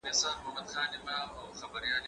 زه به اوږده موده پوښتنه کړې وم،